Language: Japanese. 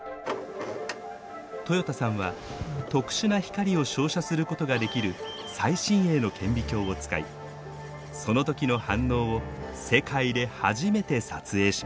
豊田さんは特殊な光を照射することができる最新鋭の顕微鏡を使いその時の反応を世界で初めて撮影しました。